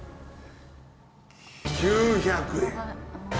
９００円。